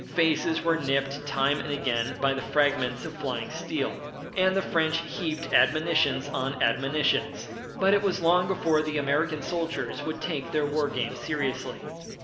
Faces were nipped time and again by the fragments of flying steel, and the French heaped admonitions on admonitions, but it was long before the American soldiers would take their war game seriously.